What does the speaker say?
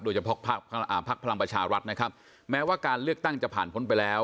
พักพลังประชารัฐนะครับแม้ว่าการเลือกตั้งจะผ่านพ้นไปแล้ว